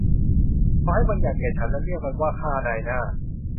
เขาให้บางอย่างแก่ฉันและเรียกมันว่า ค่านายหน้า